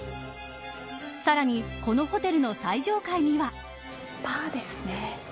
さらにこのホテルの最上階には。